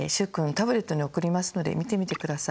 タブレットに送りますので見てみてください。